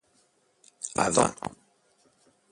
À vingt ans!